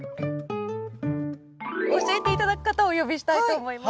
教えて頂く方をお呼びしたいと思います。